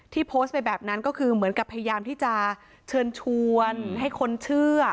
โพสต์ไปแบบนั้นก็คือเหมือนกับพยายามที่จะเชิญชวนให้คนเชื่อ